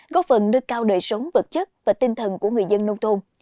góp phần nâng cao đời sống vật chất và tinh thần của người dân nông thôn